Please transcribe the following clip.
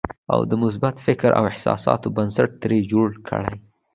او د مثبت فکر او احساساتو بنسټ ترې جوړ کړئ.